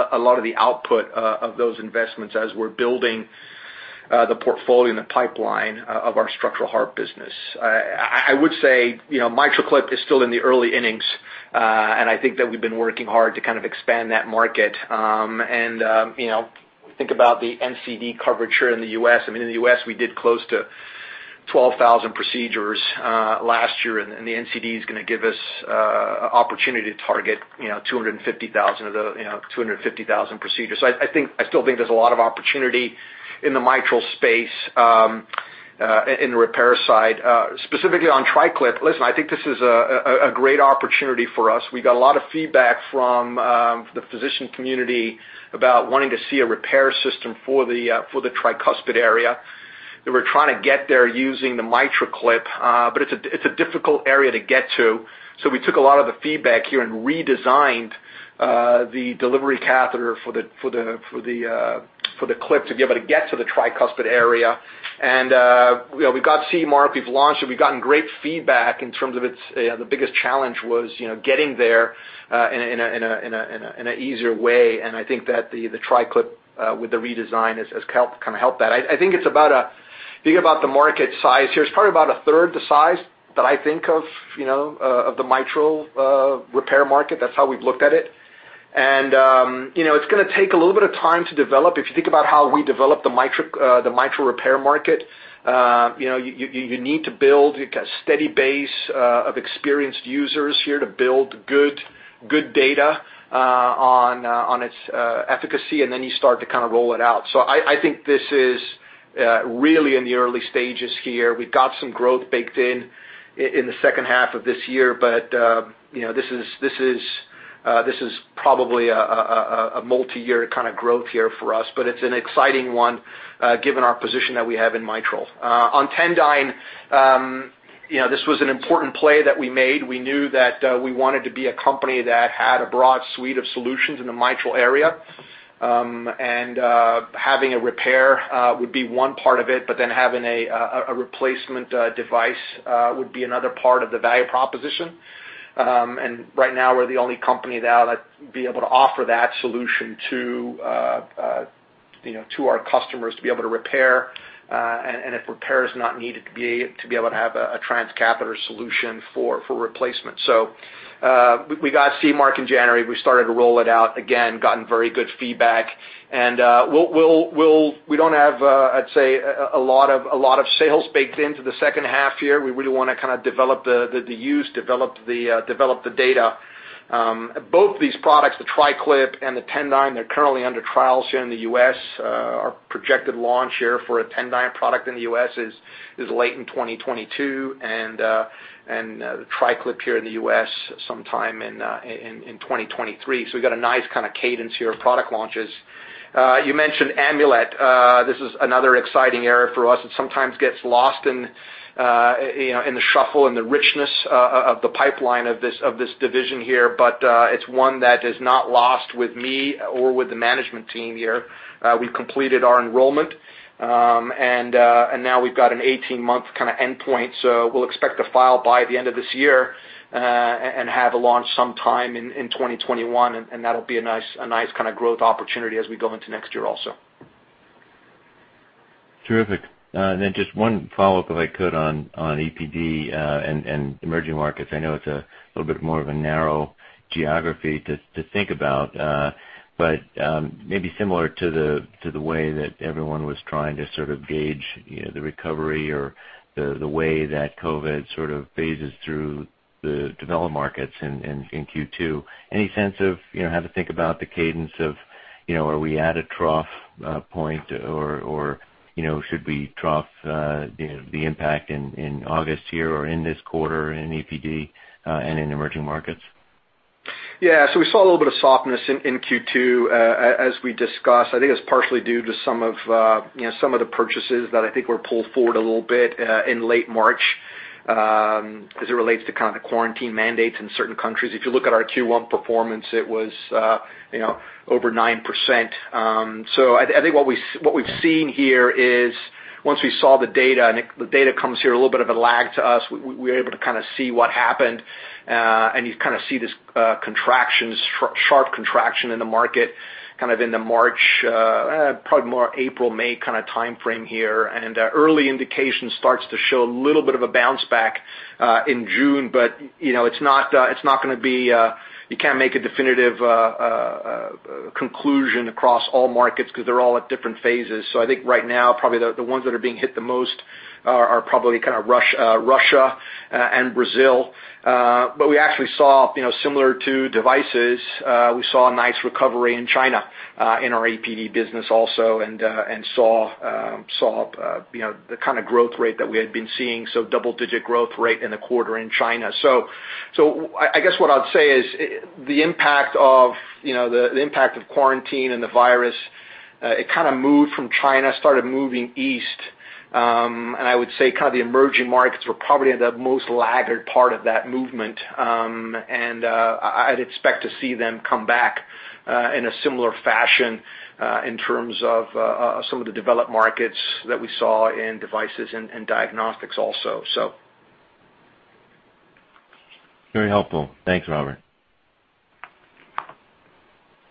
Speaker 3: output of those investments as we're building the portfolio and the pipeline of our structural heart business. I would say MitraClip is still in the early innings, I think that we've been working hard to kind of expand that market. Think about the NCD coverage here in the U.S. In the U.S., we did close to 12,000 procedures last year, the NCD is going to give us opportunity to target 250,000 procedures. I still think there's a lot of opportunity in the mitral space. In the repair side, specifically on TriClip. Listen, I think this is a great opportunity for us. We got a lot of feedback from the physician community about wanting to see a repair system for the tricuspid area, that we're trying to get there using the MitraClip. It's a difficult area to get to, so we took a lot of the feedback here and redesigned the delivery catheter for the clip to be able to get to the tricuspid area. We got CE mark, we've launched it. We've gotten great feedback. The biggest challenge was getting there in an easier way, and I think that the TriClip, with the redesign, has kind of helped that. I think if you think about the market size here, it's probably about a third the size that I think of the mitral repair market. That's how we've looked at it. It's going to take a little bit of time to develop. If you think about how we developed the mitral repair market, you need to build a steady base of experienced users here to build good data on its efficacy, and then you start to roll it out. I think this is really in the early stages here. We've got some growth baked in in the second half of this year. This is probably a multi-year kind of growth here for us, but it's an exciting one given our position that we have in mitral. On Tendyne, this was an important play that we made. We knew that we wanted to be a company that had a broad suite of solutions in the mitral area, and having a repair would be one part of it, but then having a replacement device would be another part of the value proposition. Right now, we're the only company that'll be able to offer that solution to our customers to be able to repair, and if repair is not needed, to be able to have a transcatheter solution for replacement. We got CE mark in January. We started to roll it out. Again, gotten very good feedback. We don't have, I'd say, a lot of sales baked into the second half here. We really want to kind of develop the use, develop the data. Both these products, the TriClip and the Tendyne, they're currently under trials here in the U.S. Our projected launch here for a Tendyne product in the U.S. is late in 2022, and the TriClip here in the U.S. sometime in 2023. We've got a nice kind of cadence here of product launches. You mentioned Amulet. This is another exciting area for us that sometimes gets lost in the shuffle and the richness of the pipeline of this division here, but it's one that is not lost with me or with the management team here. We've completed our enrollment, and now we've got an 18-month kind of endpoint. We'll expect to file by the end of this year and have a launch sometime in 2021, and that'll be a nice kind of growth opportunity as we go into next year also.
Speaker 9: Terrific. Then just one follow-up, if I could, on EPD and emerging markets. I know it's a little bit more of a narrow geography to think about. Maybe similar to the way that everyone was trying to sort of gauge the recovery or the way that COVID sort of phases through the developed markets in Q2. Any sense of how to think about the cadence of are we at a trough point or should we trough the impact in August here or in this quarter in EPD and in emerging markets?
Speaker 3: Yeah. We saw a little bit of softness in Q2, as we discussed. I think it was partially due to some of the purchases that I think were pulled forward a little bit in late March as it relates to kind of the quarantine mandates in certain countries. If you look at our Q1 performance, it was over 9%. I think what we've seen here is once we saw the data, and the data comes here a little bit of a lag to us, we were able to kind of see what happened. You kind of see this sharp contraction in the market kind of in the March, probably more April, May kind of timeframe here. Early indication starts to show a little bit of a bounce back in June. You can't make a definitive conclusion across all markets because they're all at different phases. I think right now, probably the ones that are being hit the most are probably Russia and Brazil. We actually saw, similar to devices, we saw a nice recovery in China in our EPD business also and saw the kind of growth rate that we had been seeing, double-digit growth rate in the quarter in China. I guess what I'd say is the impact of quarantine and the virus, it kind of moved from China, started moving east. I would say the emerging markets were probably the most laggard part of that movement. I'd expect to see them come back in a similar fashion in terms of some of the developed markets that we saw in devices and diagnostics also.
Speaker 9: Very helpful. Thanks, Robert.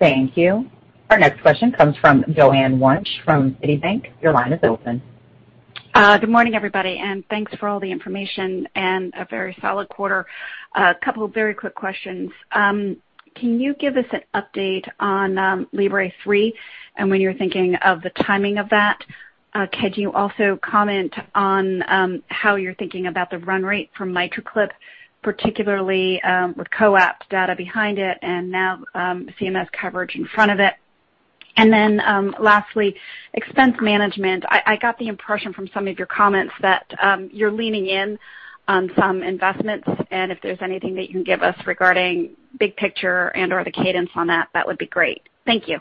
Speaker 1: Thank you. Our next question comes from Joanne Wuensch from Citi. Your line is open.
Speaker 10: Good morning, everybody. Thanks for all the information and a very solid quarter. A couple of very quick questions. Can you give us an update on Libre 3 and when you're thinking of the timing of that? Could you also comment on how you're thinking about the run rate for MitraClip, particularly with COAPT data behind it and now CMS coverage in front of it? Lastly, expense management. I got the impression from some of your comments that you're leaning in on some investments, and if there's anything that you can give us regarding big picture and/or the cadence on that would be great. Thank you.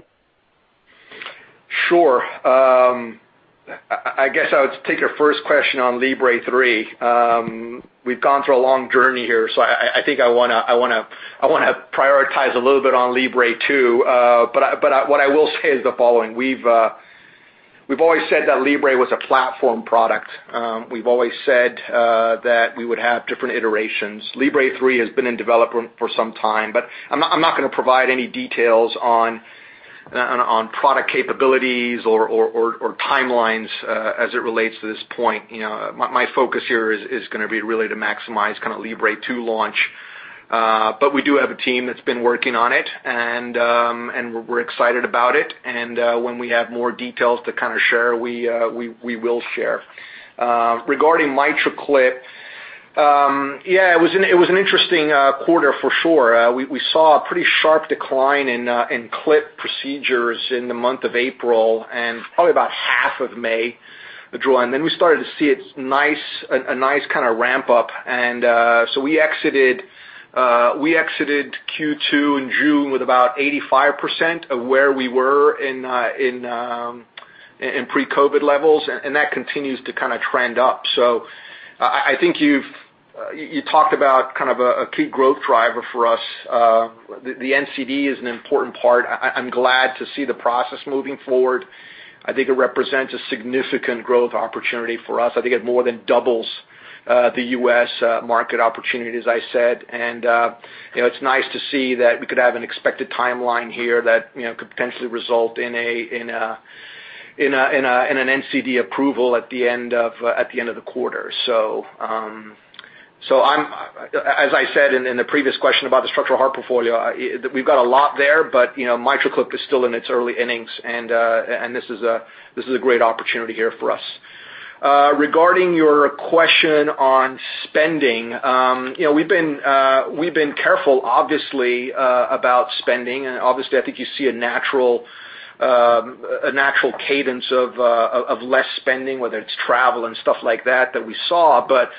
Speaker 3: Sure. I guess I would take your first question on FreeStyle Libre 3. We've gone through a long journey here, so I think I want to prioritize a little bit on FreeStyle Libre 2. What I will say is the following: We've always said that FreeStyle Libre was a platform product. We've always said that we would have different iterations. FreeStyle Libre 3 has been in development for some time, I'm not going to provide any details on product capabilities or timelines as it relates to this point. My focus here is going to be really to maximize kind of FreeStyle Libre 2 launch. We do have a team that's been working on it, and we're excited about it. When we have more details to kind of share, we will share. Regarding MitraClip, it was an interesting quarter for sure. We saw a pretty sharp decline in MitraClip procedures in the month of April and probably about half of May, the draw in. We started to see a nice kind of ramp-up. We exited Q2 in June with about 85% of where we were in pre-COVID-19 levels, and that continues to kind of trend up. I think you talked about kind of a key growth driver for us. The NCD is an important part. I'm glad to see the process moving forward. I think it represents a significant growth opportunity for us. I think it more than doubles the U.S. market opportunity, as I said. It's nice to see that we could have an expected timeline here that could potentially result in an NCD approval at the end of the quarter. As I said in the previous question about the structural heart portfolio, we've got a lot there, but MitraClip is still in its early innings, and this is a great opportunity here for us. Regarding your question on spending. We've been careful, obviously, about spending, and obviously, I think you see a natural cadence of less spending, whether it's travel and stuff like that we saw. That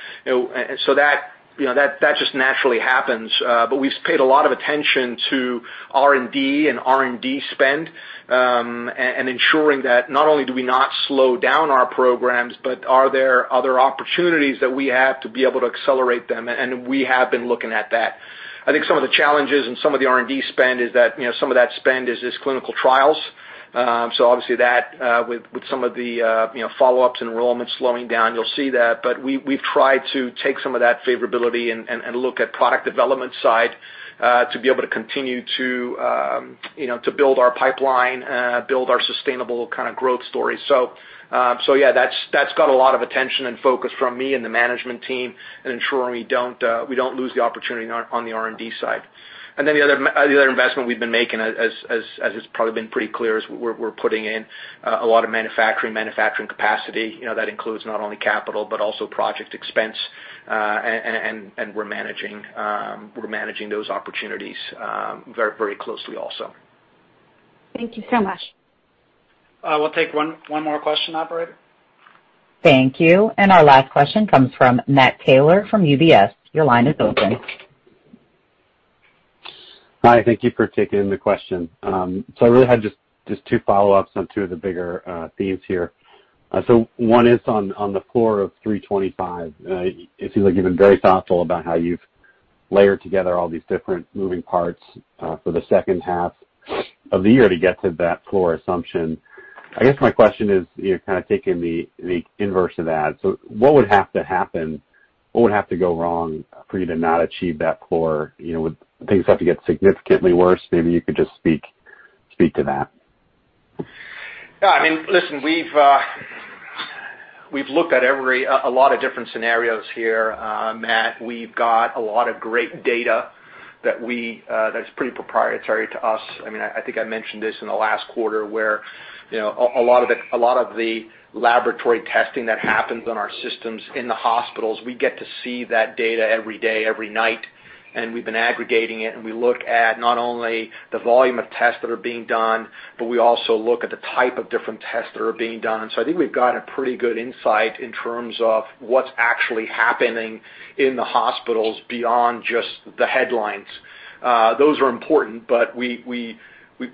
Speaker 3: just naturally happens. We've paid a lot of attention to R&D and R&D spend and ensuring that not only do we not slow down our programs, but are there other opportunities that we have to be able to accelerate them? We have been looking at that. I think some of the challenges and some of the R&D spend is that some of that spend is just clinical trials. Obviously that with some of the follow-ups, enrollments slowing down, you'll see that. We've tried to take some of that favorability and look at product development side to be able to continue to build our pipeline, build our sustainable kind of growth story. Yeah, that's got a lot of attention and focus from me and the management team in ensuring we don't lose the opportunity on the R&D side. Then the other investment we've been making as has probably been pretty clear, is we're putting in a lot of manufacturing capacity. That includes not only capital but also project expense, and we're managing those opportunities very closely also.
Speaker 10: Thank you so much.
Speaker 3: We'll take one more question, operator.
Speaker 1: Thank you. Our last question comes from Matt Taylor from UBS. Your line is open.
Speaker 11: Hi, thank you for taking the question. I really had just two follow-ups on two of the bigger themes here. One is on the floor of 3.25. It seems like you've been very thoughtful about how you've layered together all these different moving parts for the second half of the year to get to that floor assumption. I guess my question is kind of taking the inverse of that. What would have to happen? What would have to go wrong for you to not achieve that floor? Would things have to get significantly worse? Maybe you could just speak to that.
Speaker 3: Yeah, I mean, listen, we've looked at a lot of different scenarios here, Matt. We've got a lot of great data that's pretty proprietary to us. I think I mentioned this in the last quarter where a lot of the laboratory testing that happens on our systems in the hospitals, we get to see that data every day, every night, and we've been aggregating it, and we look at not only the volume of tests that are being done, but we also look at the type of different tests that are being done. I think we've got a pretty good insight in terms of what's actually happening in the hospitals beyond just the headlines.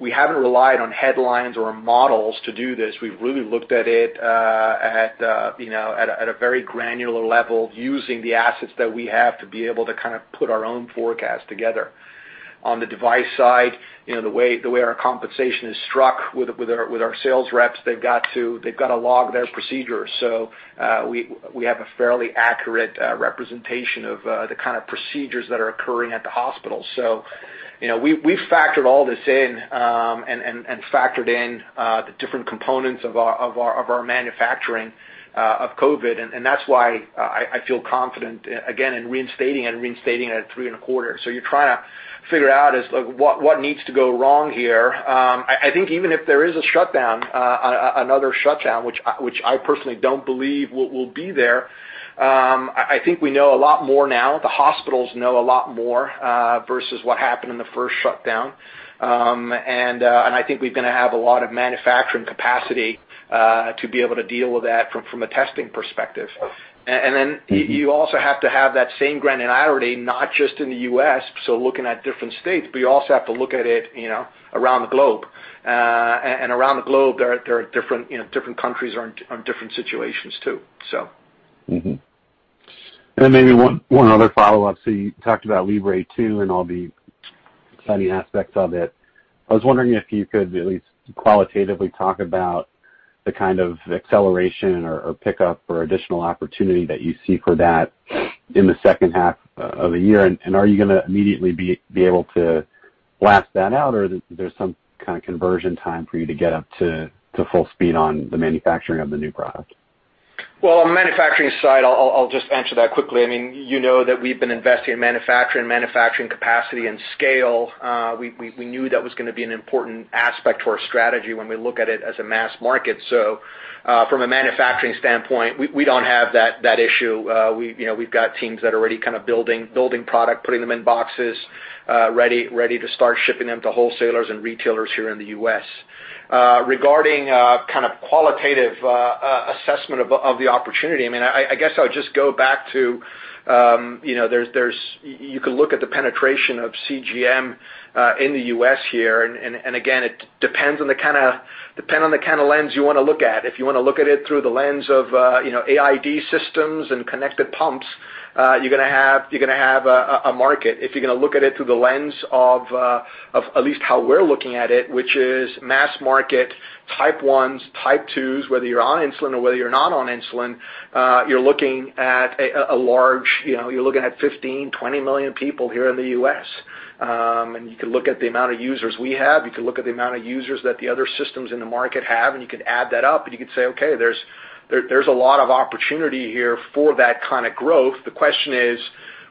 Speaker 3: We haven't relied on headlines or models to do this. We've really looked at it at a very granular level using the assets that we have to be able to kind of put our own forecast together. On the device side, the way our compensation is struck with our sales reps, they've got to log their procedures. We have a fairly accurate representation of the kind of procedures that are occurring at the hospital. We factored all this in and factored in the different components of our manufacturing of COVID, and that's why I feel confident again in reinstating it at three and a quarter. You're trying to figure out what needs to go wrong here. I think even if there is a shutdown, another shutdown, which I personally don't believe will be there, I think we know a lot more now. The hospitals know a lot more versus what happened in the first shutdown. I think we're going to have a lot of manufacturing capacity to be able to deal with that from a testing perspective. Then you also have to have that same granularity, not just in the U.S., so looking at different states, but you also have to look at it around the globe. Around the globe, different countries are in different situations too.
Speaker 11: Mm-hmm. Maybe one other follow-up. You talked about Libre 2 and all the exciting aspects of it. I was wondering if you could at least qualitatively talk about the kind of acceleration or pickup or additional opportunity that you see for that in the second half of the year. Are you going to immediately be able to blast that out, or there's some kind of conversion time for you to get up to full speed on the manufacturing of the new product?
Speaker 3: On the manufacturing side, I'll just answer that quickly. You know that we've been investing in manufacturing capacity and scale. We knew that was going to be an important aspect to our strategy when we look at it as a mass market. From a manufacturing standpoint, we don't have that issue. We've got teams that are already kind of building product, putting them in boxes, ready to start shipping them to wholesalers and retailers here in the U.S. Regarding kind of qualitative assessment of the opportunity, I guess I'll just go back to, you could look at the penetration of CGM in the U.S. here, and again, it depends on the kind of lens you want to look at. If you want to look at it through the lens of AID systems and connected pumps, you're going to have a market. If you're going to look at it through the lens of at least how we're looking at it, which is mass market Type 1s, Type 2s, whether you're on insulin or whether you're not on insulin, you're looking at 15, 20 million people here in the U.S. You can look at the amount of users we have, you can look at the amount of users that the other systems in the market have, and you can add that up and you can say, "Okay, there's a lot of opportunity here for that kind of growth." The question is,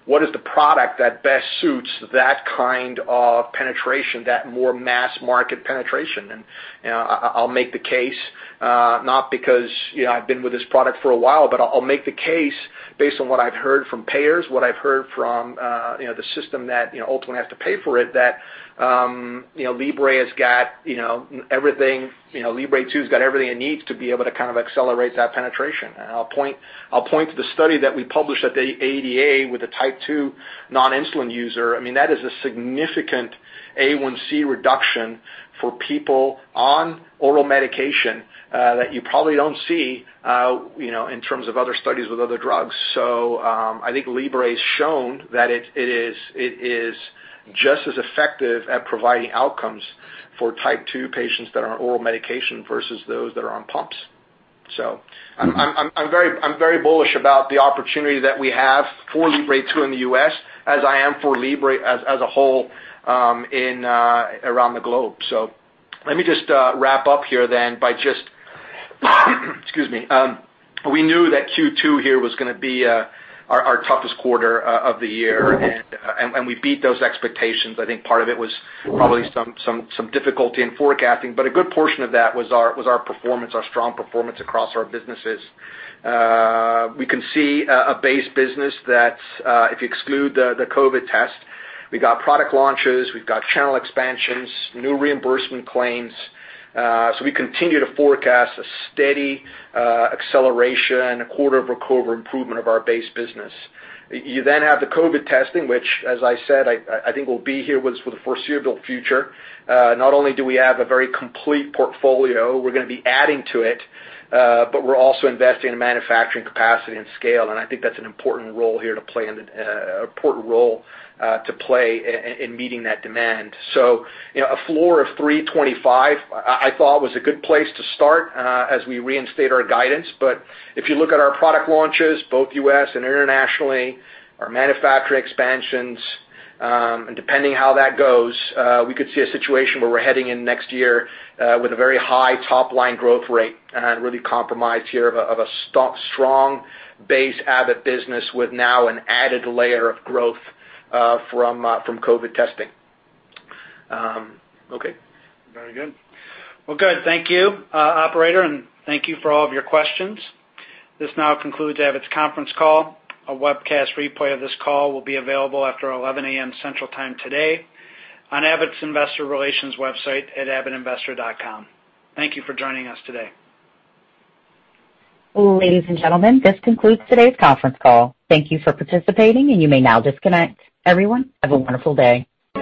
Speaker 3: what is the product that best suits that kind of penetration, that more mass market penetration? I'll make the case, not because I've been with this product for a while, but I'll make the case based on what I've heard from payers, what I've heard from the system that ultimately has to pay for it, that Libre 2's got everything it needs to be able to kind of accelerate that penetration. I'll point to the study that we published at the ADA with the Type 2 non-insulin user. That is a significant A1C reduction for people on oral medication that you probably don't see in terms of other studies with other drugs. I think Libre has shown that it is just as effective at providing outcomes for Type 2 patients that are on oral medication versus those that are on pumps. I'm very bullish about the opportunity that we have for Libre 2 in the U.S., as I am for Libre as a whole around the globe. Let me just wrap up here then by just Excuse me. We knew that Q2 here was going to be our toughest quarter of the year, and we beat those expectations. I think part of it was probably some difficulty in forecasting, but a good portion of that was our performance, our strong performance across our businesses. We can see a base business that, if you exclude the COVID test, we've got product launches, we've got channel expansions, new reimbursement claims. We continue to forecast a steady acceleration, a quarter-over-quarter improvement of our base business. You then have the COVID testing, which, as I said, I think will be here with us for the foreseeable future. Not only do we have a very complete portfolio, we're going to be adding to it, we're also investing in manufacturing capacity and scale, I think that's an important role here to play in meeting that demand. A floor of $3.25 I thought was a good place to start as we reinstate our guidance. If you look at our product launches, both U.S. and internationally, our manufacturing expansions, and depending how that goes, we could see a situation where we're heading in next year with a very high top-line growth rate and really comprised here of a strong base Abbott business with now an added layer of growth from COVID testing. Okay.
Speaker 2: Very good. Well, good. Thank you, operator, and thank you for all of your questions. This now concludes Abbott's conference call. A webcast replay of this call will be available after 11:00 A.M. Central Time today on Abbott's investor relations website at abbottinvestor.com. Thank you for joining us today.
Speaker 1: Ladies and gentlemen, this concludes today's conference call. Thank you for participating, and you may now disconnect. Everyone, have a wonderful day.